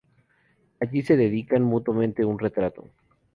Allí se dedican mutuamente un retrato.